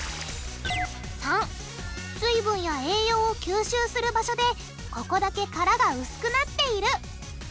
③水分や栄養を吸収する場所でここだけ殻が薄くなっている。